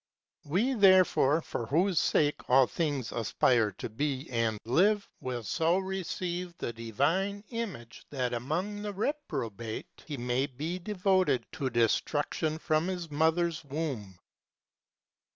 280 We therefore for whose sake all things aspire to be and live Will so receive the Divine Image that among the Reprobate He may be devoted to destruction from his mother's womb.